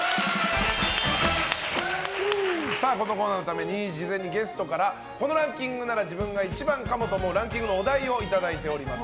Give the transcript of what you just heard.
このコーナーのために事前にゲストからこのランキングなら自分が１番かもと思うランキングのお題をいただいております。